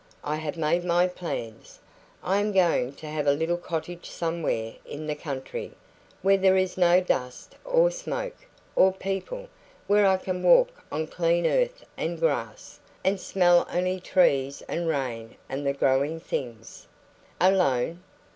I have made my plans. I am going to have a little cottage somewhere in the country, where there is no dust, or smoke, or people where I can walk on clean earth and grass, and smell only trees and rain and the growing things. Alone?